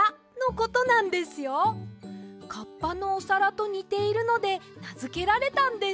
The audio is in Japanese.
カッパのおさらとにているのでなづけられたんです。